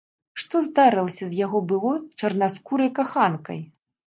Што здарылася з яго былой чарнаскурай каханкай?